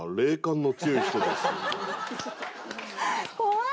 怖い。